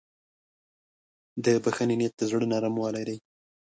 د بښنې نیت د زړه نرموالی دی.